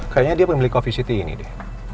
kayaknya dia pemilik coffe city ini deh